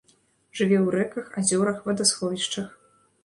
Жыве ў рэках, азёрах, вадасховішчах.